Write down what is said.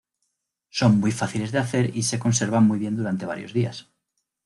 Son muy fáciles de hacer y se conservan muy bien durante varios días.